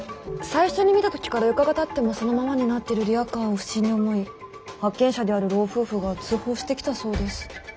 最初に見た時から４日がたってもそのままになってるリアカーを不審に思い発見者である老夫婦が通報してきたそうです。